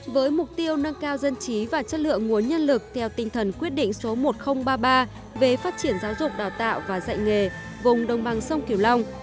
với mục tiêu nâng cao dân trí và chất lượng nguồn nhân lực theo tinh thần quyết định số một nghìn ba mươi ba về phát triển giáo dục đào tạo và dạy nghề vùng đồng bằng sông kiều long